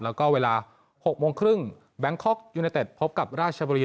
แล้วก็เวลา๖โมงครึ่งแบงคอกยูเนเต็ดพบกับราชบุรี